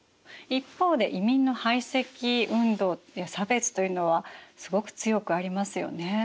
一方で移民の排斥運動や差別というのはすごく強くありますよね。